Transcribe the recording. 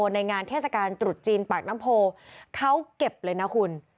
ในงานเทศกาลตรุษจีนปากน้ำโพเขาเก็บเลยนะคุณ